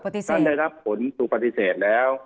ท่านได้รับผลถูกปฏิเสธแล้ว